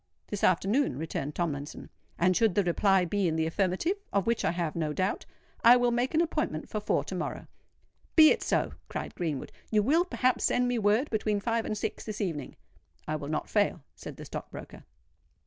"This afternoon," returned Tomlinson; "and should the reply be in the affirmative—of which I have no doubt—I will make an appointment for four to morrow." "Be it so," cried Greenwood. "You will, perhaps, send me word between five and six this evening." "I will not fail," said the stock broker.